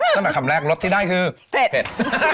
ตั้งแต่คำแรกรสที่ได้คือเผ็ด